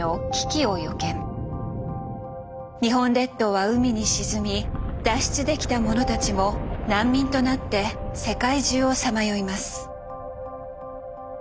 日本列島は海に沈み脱出できた者たちも難民となって世界中をさまよいます。